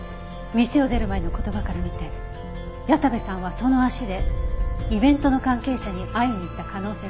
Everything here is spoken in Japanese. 店を出る前の言葉から見て矢田部さんはその足でイベントの関係者に会いに行った可能性が高いはず。